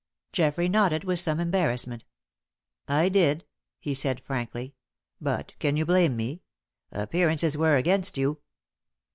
Geoffrey nodded with some embarrassment. "I did," he said, frankly. "But can you blame me? Appearances were against you."